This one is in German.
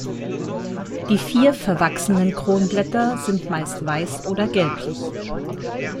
Die vier verwachsenen Kronblätter sind meist weiß oder gelblich.